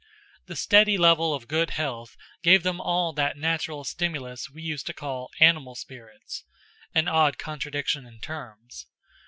The steady level of good health gave them all that natural stimulus we used to call "animal spirits" an odd contradiction in terms.